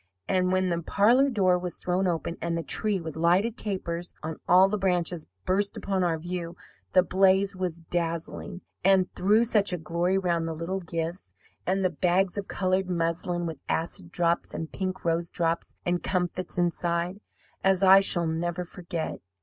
And when the parlour door was thrown open, and the tree, with lighted tapers on all the branches, burst upon our view, the blaze was dazzling, and threw such a glory round the little gifts, and the bags of coloured muslin, with acid drops and pink rose drops and comfits inside, as I shall never forget.